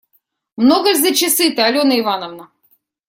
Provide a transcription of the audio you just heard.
Много ль за часы-то, Алена Ивановна?